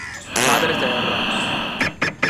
Madre Terra